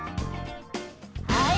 はい。